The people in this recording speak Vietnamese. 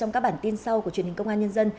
trong các bản tin sau của truyền hình công an nhân dân